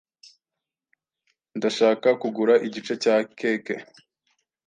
Ndashaka kugura igice cya keke.